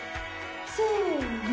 せの。